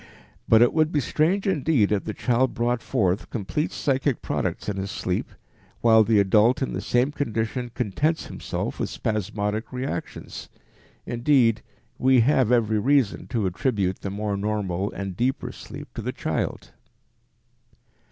But it would be strange indeed if the child brought forth complete psychic products in sleep, while the adult in the same condition contents himself with spasmodic reactions. Indeed, we have every reason to attribute the more normal and deeper sleep to the child.